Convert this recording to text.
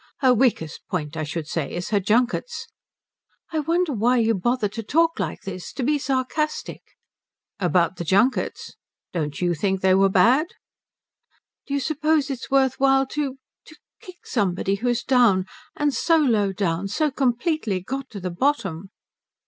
Her weakest point, I should say, is her junkets." "I wonder why you bother to talk like this to be sarcastic." "About the junkets? Didn't you think they were bad?" "Do you suppose it's worth while to to kick somebody who's down? And so low down? So completely got to the bottom?"